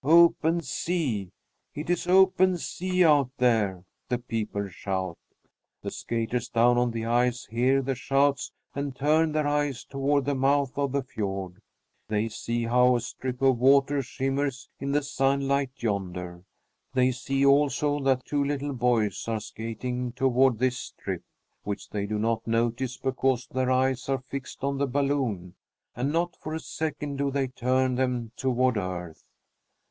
"Open sea! It is open sea out there!" the people shout. The skaters down on the ice hear the shouts and turn their eyes toward the mouth of the fiord. They see how a strip of water shimmers in the sunlight yonder. They see, also, that two little boys are skating toward this strip, which they do not notice because their eyes are fixed on the balloon; and not for a second do they turn them toward earth.